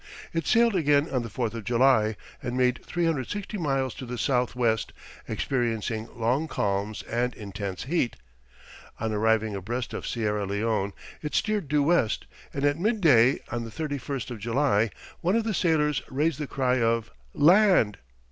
It sailed again on the 4th of July, and made 360 miles to the south west, experiencing long calms and intense heat; on arriving abreast of Sierra Leone, it steered due west, and at mid day on the 31st of July, one of the sailors raised the cry of "land."